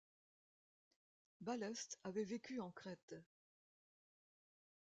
Baleste avait vécu en Crète.